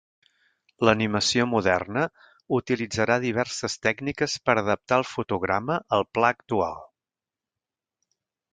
L'animació moderna utilitzarà diverses tècniques per adaptar el fotograma al pla actual.